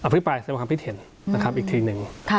อภิปรายเสนอความพิเศษนะครับอีกทีหนึ่ง